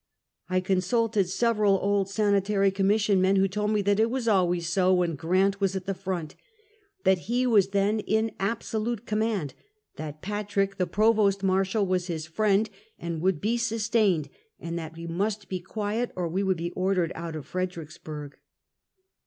I consulted several old Sanitary Commission men, who told me it was always so when Grant was at the front; that he was then in absolute command; that Patrick, the Provost Marshal, was his friend, and would be sustained; and that we must be quiet or we would be ordered out of Fredericksburg.